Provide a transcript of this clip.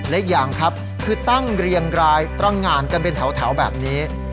และอีกอย่างครับคือตั้งเรียงรายตรงานกันเป็นแถวแบบนี้